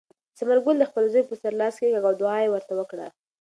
ثمرګل د خپل زوی په سر لاس کېکاږه او دعا یې ورته وکړه.